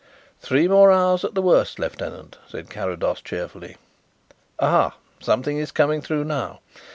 "Three more hours at the worst, lieutenant," said Carrados cheerfully. "Ah ha, something is coming through now."